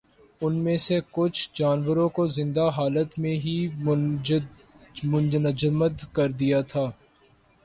ان میں سے کچھ جانوروں کو زندہ حالت میں ہی منجمد کردیا گیا تھا۔